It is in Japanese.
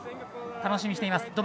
楽しみにしています。